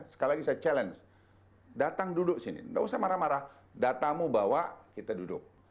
sekali lagi saya challenge datang duduk sini nggak usah marah marah datamu bawa kita duduk